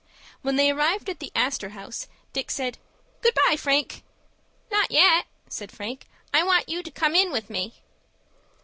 When they arrived at the Astor House, Dick said, "Good by, Frank." "Not yet," said Frank; "I want you to come in with me."